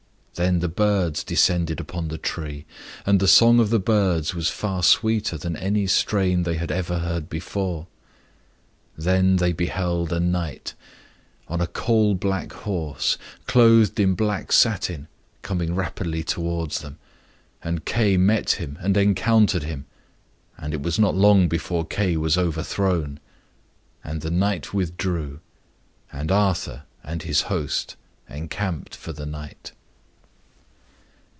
Then the birds descended upon the tree. And the song of the birds was far sweeter than any strain they had ever heard before. Then they beheld a knight, on a coal black horse, clothed in black satin, coming rapidly towards them. And Kay met him and encountered him, and it was not long before Kay was overthrown. And the knight withdrew. And Arthur and his host encamped for the night.